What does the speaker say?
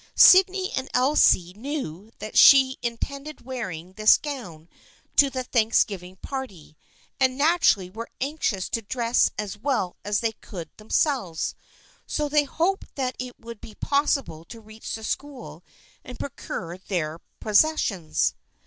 Sydney and Elsie knew that she intended wearing this gown to the Thanks giving party, and naturally were anxious to dress as well as they could themselves, so they hoped that it would be possible to reach the school and procure their possessions.